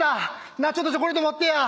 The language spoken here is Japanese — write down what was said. なあちょっとチョコレート持ってや。